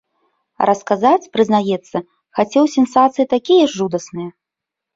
А расказаць, прызнаецца, хацеў сенсацыі такія жудасныя!